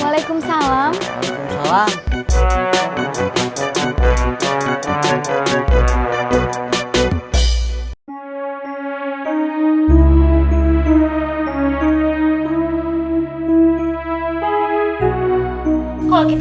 kalau kita ngasihnya sedikit